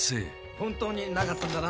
本当になかったんだな？